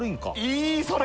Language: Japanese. いいそれ！